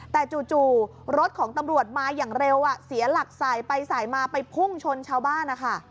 แต่จู่รถของตำรวจมาอย่างเร็วเสียหลักสายไปสายมาไปพุ่งชนชาวบ้านนะคะ